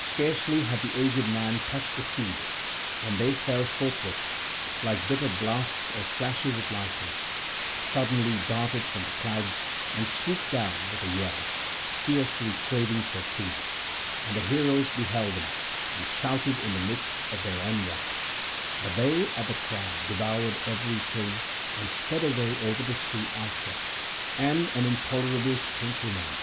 Scarcely had the aged man touched the food when they forthwith, like bitter blasts or flashes of lightning, suddenly darted from the clouds, and swooped down with a yell, fiercely craving for food; and the heroes beheld them and shouted in the midst of their onrush; but they at the cry devoured everything and sped away over the sea after; and an intolerable stench remained.